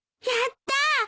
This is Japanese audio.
やったー！